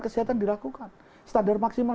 kesehatan dilakukan standar maksimal